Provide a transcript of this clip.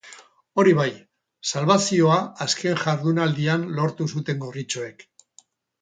Hori bai, salbazioa azken jardunaldian lortu zuten gorritxoek.